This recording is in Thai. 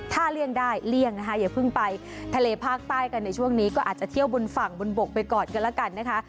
ถ้าเลี่ยงได้เลี่ยงนะคะอย่าเพิ่งไปทะเลภาคใต้กันในช่วงนี้ก็อาจจะเที่ยวบนฝั่งบนบกไปก่อนกันแล้วกันนะคะ